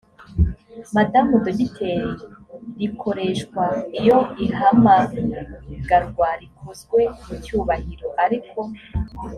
madamu dogiteri rikoreshwa iyo ihamagarwa rikozwe mu cyubahiro ariko